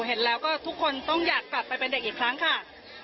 เห็นแล้วก็ทุกคนต้องอยากกลับไปเป็นเด็กอีกครั้งค่ะ